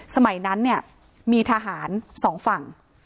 สมัยนั้นเนี่ยมีทหารสองฝั่ง